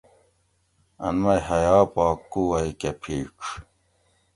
ان مئ حیا پا کُووئ کہۤ پِھیڄ